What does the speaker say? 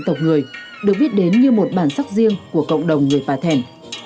tộc người được biết đến như một bản sắc riêng của cộng đồng người bà thẻn